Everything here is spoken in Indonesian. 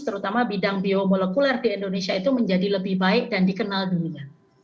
terutama bidang biomolekuler di indonesia itu menjadi lebih baik dan dikenal dunia